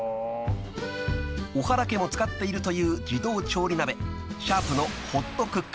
［小原家も使っているという自動調理鍋シャープのホットクック］